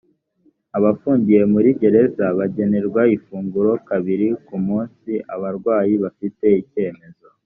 abafungiye muri gereza bagenerwa ifunguro kabiri ku munsi abarwayi bafite icyemezo